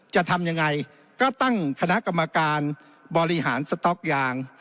จะทำยังไงก็ตั้งคณะกรรมการบริหารสต๊อกยาง